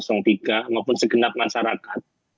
baik paslan satu dua tiga maupun segenap masyarakat